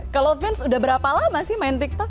kalau vince udah berapa lama sih main tiktok